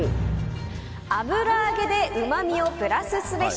油揚げでうまみをプラスすべし。